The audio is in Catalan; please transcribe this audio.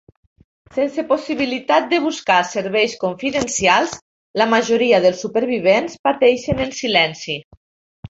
Sense possibilitat de buscar serveis confidencials, la majoria dels supervivents pateixen en silenci.